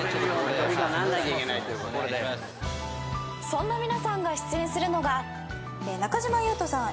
そんな皆さんが出演するのが中島裕翔さん